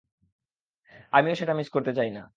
আমিও সেটা মিস করতে চাই না।